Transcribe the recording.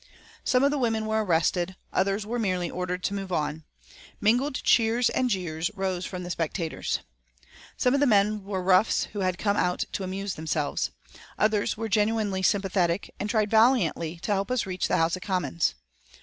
Some of the women were arrested, others were merely ordered to move on. Mingled cheers and jeers rose from the spectators. Some of the men were roughs who had come out to amuse themselves. Others were genuinely sympathetic, and tried valiantly to help us to reach the House of Commons.